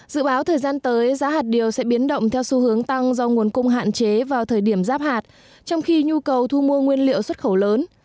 dự báo thời gian tới giá hạt điều sẽ biến động theo xu hướng tăng do nguồn cung hạn chế vào thời điểm giáp hạt trong khi nhu cầu thu mua nguyên liệu xuất khẩu lớn